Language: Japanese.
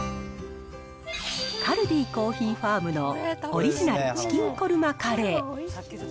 カルディコーヒーファームの、オリジナルチキンコルマカレー。